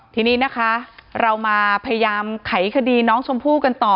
ทีนี้นะคะเรามาพยายามไขคดีน้องชมพู่กันต่อ